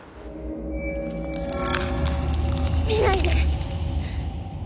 見ないで！